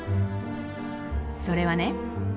それはね